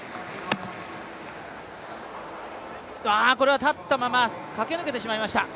これは立ったまま駆け抜けてしまいました。